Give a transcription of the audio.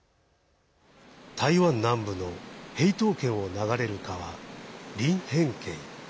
台湾南部のへい東県を流れる川林辺渓。